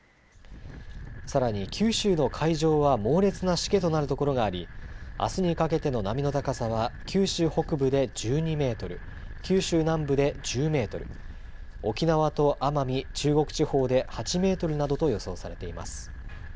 さらに九州の海上は猛烈なしけとなる所がありあすにかけての波の高さは九州北部で１２メートル、九州南部で１０メートル、沖縄と奄美、中国地方で８メートルなどと予想されています。